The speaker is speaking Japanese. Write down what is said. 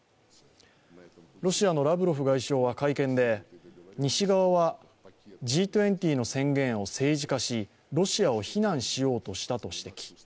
ロシアのラブロフ外相は会見で西側はＧ２０の宣言を政治化し、ロシアを非難しようとしたと指摘。